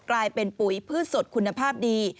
กลายเป็นปุ๋ยพืชสดคุณภาพดี